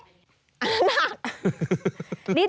อันนั้นหรอ